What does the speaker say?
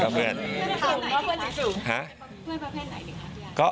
เพื่อนประเภทไหนนะครับ